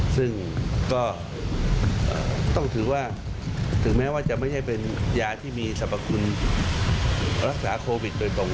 ซึ่งก็ต้องถือว่าถึงแม้ว่าจะไม่ใช่เป็นยาที่มีสรรพคุณรักษาโควิดโดยตรง